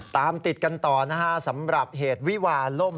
ตามติดกันต่อนะฮะสำหรับเหตุวิวาล่ม